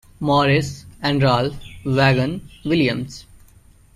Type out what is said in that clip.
Morris, and Ralph Vaughan Williams.